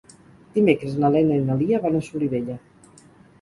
Dimecres na Lena i na Lia van a Solivella.